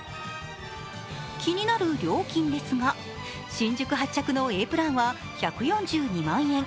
気になる料金ですが新宿発着のＡプランは１４２万円